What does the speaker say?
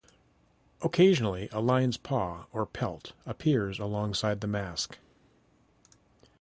Occasionally, a lion's paw or pelt appears alongside the mask.